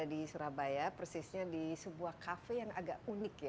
di surabaya persisnya di sebuah kafe yang agak unik ya